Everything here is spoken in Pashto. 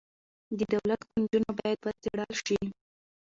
د دولت کونجونه باید وڅیړل شي.